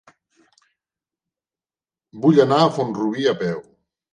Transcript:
Vull anar a Font-rubí a peu.